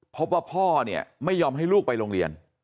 พบว่าพ่อเนี่ยไม่ยอมให้ลูกไปโรงเรียน